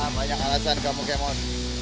banyak alasan kamu kemon